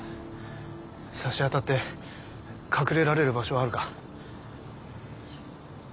さしあたって隠れられる場所はあるか？